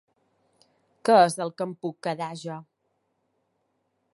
Què és el que em puc quedar jo?